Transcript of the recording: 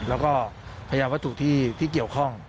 แล้วก็พยานวัตถุที่เกี่ยวข้อง